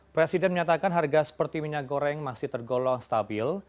presiden menyatakan harga seperti minyak goreng masih tergolong stabil